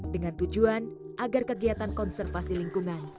dengan tujuan agar kegiatan konservasi lingkungan